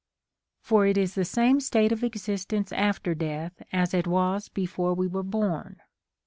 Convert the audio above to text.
* For it is the same state of existence after death as it was before Ave were born.